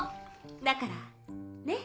だからねっ？